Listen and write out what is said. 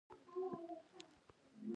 سړي خر ته ارام ورکړ او کار یې پرې نه کاوه.